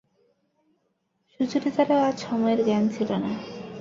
সুচরিতারও আজ সময়ের জ্ঞান ছিল না।